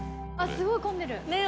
すごい混んでる。